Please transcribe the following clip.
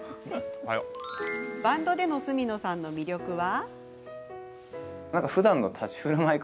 バンドでの角野さんの魅力は？